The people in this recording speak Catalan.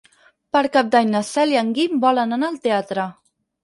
Per Cap d'Any na Cel i en Guim volen anar al teatre.